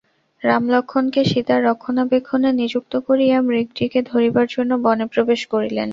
রাম লক্ষ্মণকে সীতার রক্ষণাবেক্ষণে নিযুক্ত করিয়া মৃগটিকে ধরিবার জন্য বনে প্রবেশ করিলেন।